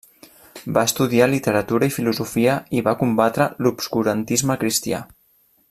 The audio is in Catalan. Va estudiar literatura i filosofia i va combatre l'obscurantisme cristià.